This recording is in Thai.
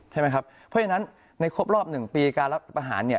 เพราะฉะนั้นในครบรอบ๑ปีการรับอาหาร